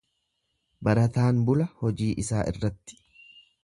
Barataan bula hojii isaa irratti.